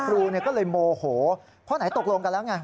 ครูก็เลยโมโหเพราะไหนตกลงกันแล้วไง